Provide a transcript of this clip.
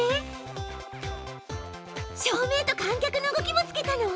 照明と観客の動きもつけたの？